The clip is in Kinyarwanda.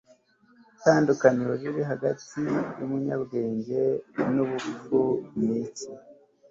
itandukaniro riri hagati yumunyabwenge nubupfu ni iki